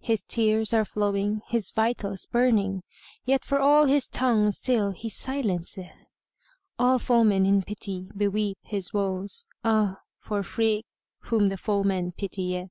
His tears are flowing, his vitals burning; * Yet for all his tongue still he silenceth. All foemen in pity beweep his woes; * Ah for freke whom the foeman pitieth!"